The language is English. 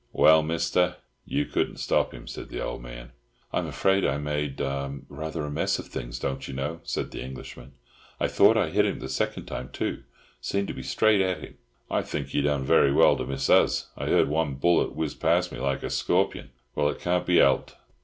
"Well, Mister, you couldn't stop him," said the old man. "I'm afraid I made—rather a mess of things, don't you know," said the Englishman. "I thought I hit him the second time, too. Seemed to be straight at him." "I think you done very well to miss us! I heard one bullet whiz past me like a scorpyun. Well, it can't be helped.